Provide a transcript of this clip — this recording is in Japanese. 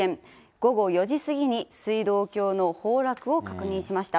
午後４時過ぎに水道橋の崩落を確認しました。